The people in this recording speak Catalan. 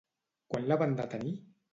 Quan la van detenir?